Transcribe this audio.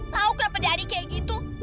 tau kenapa jadi kaya gitu